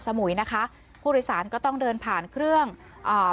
สมุยนะคะผู้โดยสารก็ต้องเดินผ่านเครื่องอ่า